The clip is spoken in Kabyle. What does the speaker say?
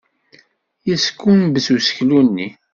Yeskumbes useklu-nni.